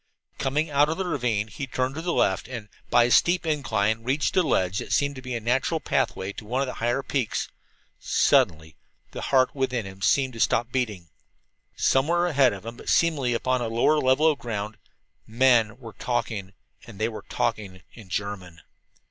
Coming out of the ravine, he turned to the left and, by a steep incline, reached a ledge that seemed to be a natural pathway to one of the higher peaks. Suddenly the heart within him seemed to stop beating. Somewhere ahead of him, but seemingly upon a lower level of ground, men were talking! And they were talking in German!